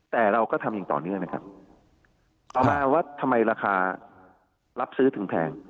แต่เราก็ทำอย่างต่อเนื่องนะครับเอามาว่าทำไมราคารับซื้อถึงแพง